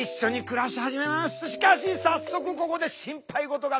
しかし早速ここで心配事が。